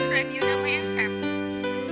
radio namanya sam